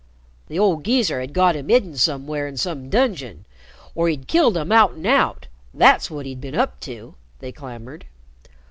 "The old geezer had got him hidden somewhere in some dungeon, or he'd killed him out an' out that's what he'd been up to!" they clamored.